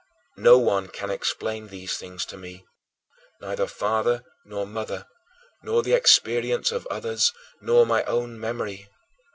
No one can explain these things to me, neither father nor mother, nor the experience of others, nor my own memory.